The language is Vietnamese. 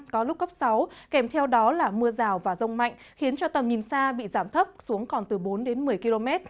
có lúc cấp sáu kèm theo đó là mưa rào và rông mạnh khiến cho tầm nhìn xa bị giảm thấp xuống còn từ bốn đến một mươi km